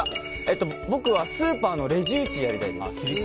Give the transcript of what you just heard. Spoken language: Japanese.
僕はスーパーのレジ打ちやりたいです。